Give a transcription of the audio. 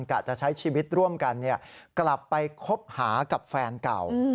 จะใช้ชีวิตร่วมกันกลับไปคบหากับแฟนเก่า